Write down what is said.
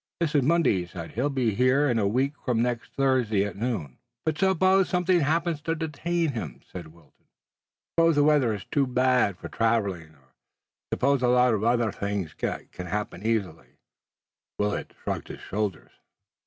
"This is Monday," he said. "He'll be here a week from next Thursday at noon." "But suppose something happens to detain him," said Wilton, "suppose the weather is too bad for traveling, or suppose a lot of other things that can happen easily." Willet shrugged his shoulders.